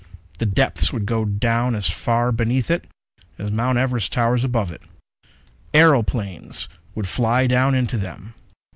The depths would go down as far beneath it as Mount Everest towers above it. Aeroplanes would fly down into them.